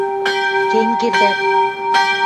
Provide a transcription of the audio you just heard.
Кен кердӓт...